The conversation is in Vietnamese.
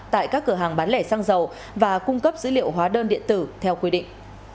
tại các cửa hàng bán lẻ xăng dầu và cung cấp dữ liệu hóa đơn điện tử theo quy định